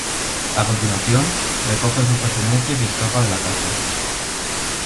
A continuación, recoge sus pertenencias y escapa de la casa.